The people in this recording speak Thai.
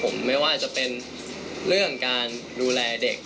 ผมไม่ว่าจะเป็นเรื่องการดูแลเด็ก